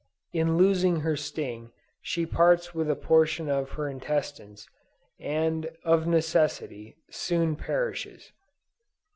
In losing her sting she parts with a portion of her intestines, and of necessity, soon perishes.